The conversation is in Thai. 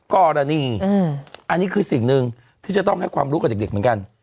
กรณีอันนี้คือสิ่งหนึ่งที่จะต้องให้ความรู้กับเด็กเหมือนกัน